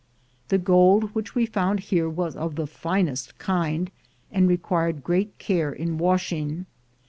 The gold which we found here was of the finest kind, and required great care in washing.